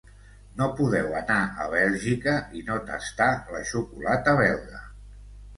No podeu anar a Bèlgica i no tastar la xocolata belga.